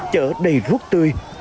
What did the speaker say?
chở đầy rút tươi